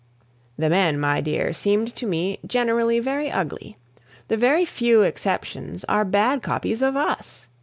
The men, my dear, seemed to me generally very ugly. The very few exceptions are bad copies of us.